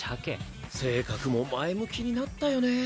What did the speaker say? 性格も前向きになったよね。